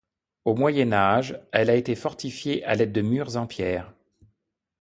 Au Moyen Âge elle a été fortifiée à l’aide de murs en pierre.